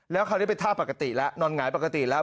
แล้วคราวนี้เป็นท่าปกติแล้วนอนหงายปกติแล้ว